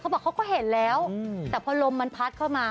บอกเขาก็เห็นแล้วแต่พอลมมันพัดเข้ามา